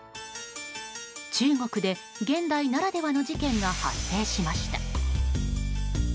中国で、現代ならではの事件が発生しました。